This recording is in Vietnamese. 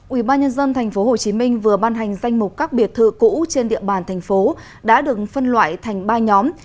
ubnd tp hcm vừa ban hành danh mục các biệt thự cũ trên địa bàn thành phố đã được phân loại thành ba nhóm